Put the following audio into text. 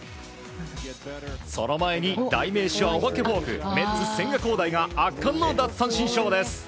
その前に代名詞はお化けフォークメッツ千賀滉大が圧巻の奪三振ショーです。